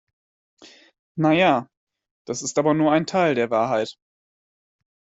Na ja, das ist aber nur ein Teil der Wahrheit.